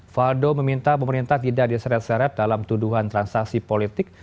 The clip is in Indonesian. faldo meminta pemerintah tidak diseret seret dalam tuduhan transaksi politik